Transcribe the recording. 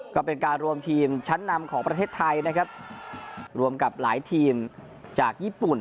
ก็เป็นการรวมทีมชั้นนำของประเทศไทยนะครับรวมกับหลายทีมจากญี่ปุ่น